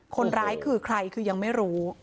คนร้ายคือใครคือยังไม่รู้